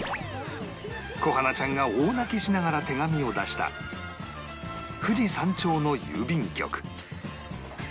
小花ちゃんが大泣きしながら手紙を出した富士山頂の郵便局